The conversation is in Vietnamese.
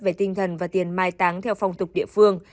về tinh thần và tiền mai táng theo phong tục địa phương